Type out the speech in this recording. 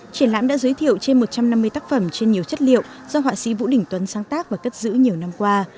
triển lãm đã giới thiệu trên một trăm năm mươi tác phẩm trên nhiều chất liệu do họa sĩ vũ đình tuấn sáng tác và cất giữ nhiều năm qua